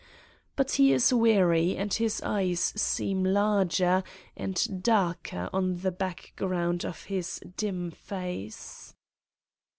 But he is weary and his eyes seem larger and darker on the background of his dim face.